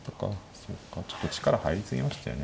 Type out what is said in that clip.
そっかちょっと力入り過ぎましたよね。